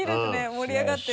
盛り上がってる。